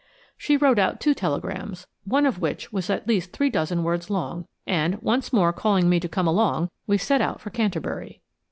She wrote out two telegrams–one of which was at least three dozen words long–and, once more calling to me to come along, we set out for Canterbury.